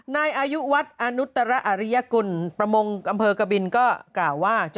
นายอายุวัดอนุตรอริยกุลประมงอำเภอกบินก็กล่าวว่า